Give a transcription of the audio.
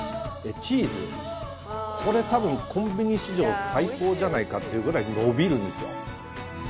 チーズこれ、多分コンビニ史上最高じゃないかっていうくらい伸びるんですよ。